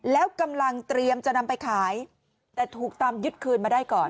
แล้วกำลังเตรียมจะนำไปขายแต่ถูกตามยึดคืนมาได้ก่อน